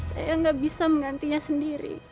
saya nggak bisa menggantinya sendiri